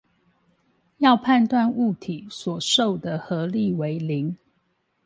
要判斷物體所受的合力為零